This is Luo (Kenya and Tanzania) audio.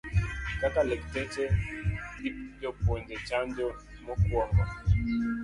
Kaka lakteche gi jopuonje chanjo mokuongo